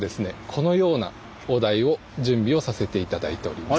このようなお題を準備をさせて頂いております。